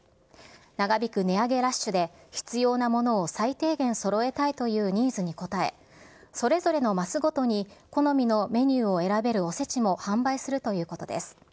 長引く値上げラッシュで、必要なものを最低限そろえたいというニーズに応え、それぞれのマスごとに好みのメニューを選べるおせちも販売するということです。